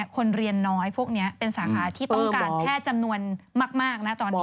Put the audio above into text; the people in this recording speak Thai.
คนเรียนน้อยพวกนี้เป็นสาขาที่ต้องการแพทย์จำนวนมากนะตอนนี้